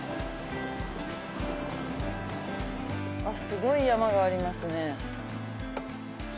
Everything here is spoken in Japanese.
すごい山がありますね。